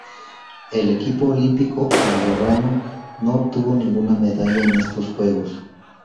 El equipo olímpico andorrano no obtuvo ninguna medalla en estos Juegos.